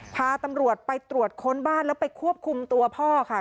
พาตำรวจไปตรวจค้นบ้านแล้วไปควบคุมตัวพ่อค่ะ